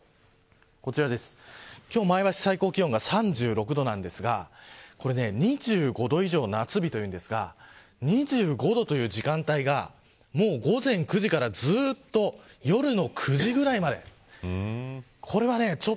今日、前橋最高気温が３６度なんですが２５度以上を夏日ということですが２５度という時間帯が午前９時からずっと夜の９時ぐらいまで。